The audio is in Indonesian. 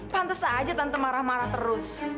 pantes saja tante marah marah terus